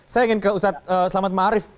saya ingin ke ustadz selamat ma'arif